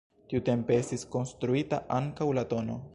Tiutempe estis konstruita ankaŭ la tn.